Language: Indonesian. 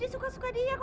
dia gak salah pak